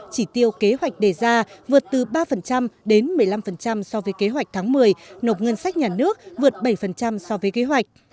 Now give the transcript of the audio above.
chỉ tiêu kế hoạch đề ra vượt từ ba đến một mươi năm so với kế hoạch tháng một mươi nộp ngân sách nhà nước vượt bảy so với kế hoạch